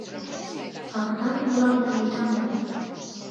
Агытан мура ман ида ман -